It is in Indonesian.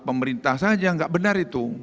pemerintah saja nggak benar itu